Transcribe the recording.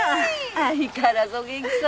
相変わらずお元気そうね。